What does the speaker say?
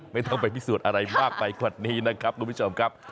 ไม่ต้องไปพิสูจน์อะไรมากไปกว่านี้นะครับคุณผู้ชมครับ